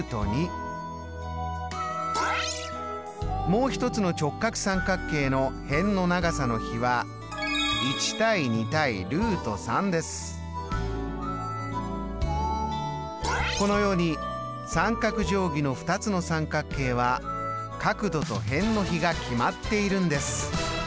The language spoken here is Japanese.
もう一つのこのように三角定規の２つの三角形は角度と辺の比が決まっているんです。